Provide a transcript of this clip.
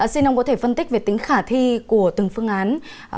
xin ông có thể phân tích về tính khả thi của từng phương án